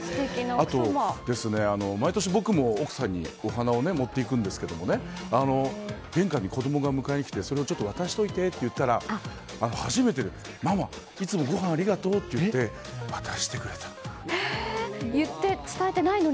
あと毎年、僕も奥さんにお花を持っていくんですけど玄関に子供が迎えに来てそれを渡しておいてって言ったら初めてママ、いつもごはんありがとうって言って伝えてないのに？